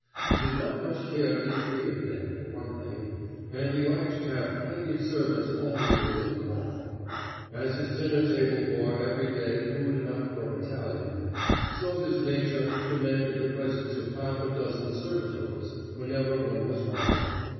He did not much care to be free of debt for one thing, and he liked to have plenty of servants always within call. As his dinner table bore every day food enough for a battalion, so his nature demanded the presence of half a dozen servitors whenever one was wanted.